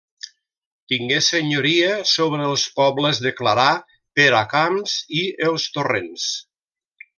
Tingué senyoria sobre els pobles de Clarà, Peracamps i els Torrents.